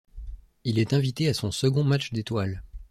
Il est invité à son second match d'étoiles.